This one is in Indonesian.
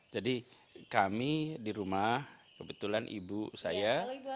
jadi kami di rumah kebetulan ibu saya